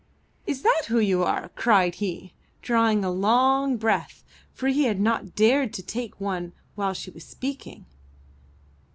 *'Is that who you are?" cried he, drawing a long breath, for he had not dared to take one while she was speaking.